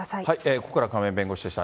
ここからは、亀井弁護士でした。